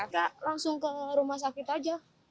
kak langsung ke rumah sakit aja